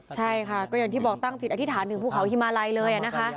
ใช่ค่ะก็อย่างที่บอกตั้งจิตอธิษฐานถึงภูเขาฮิมาลัยเลยนะคะ